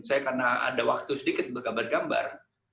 saya karena ada waktu sedikit bergambar gambar